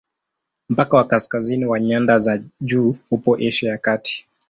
Mpaka wa kaskazini wa nyanda za juu upo Asia ya Kati.